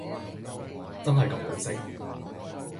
真係咁好食？